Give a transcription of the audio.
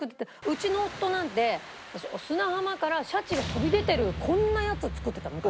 うちの夫なんて砂浜からシャチが飛び出てるこんなやつを作ってた昔。